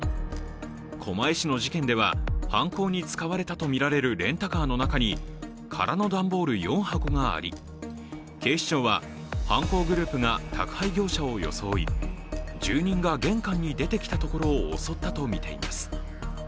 狛江市の事件では、犯行に使われたとみられるレンタカーの中に空の段ボール４箱があり、警視庁は犯行グループが宅配業者を装い、住人が玄関に出てきたところを襲ったとみています。